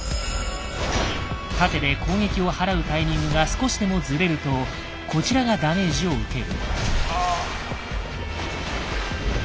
盾で攻撃をはらうタイミングが少しでもずれるとこちらがダメージを受ける。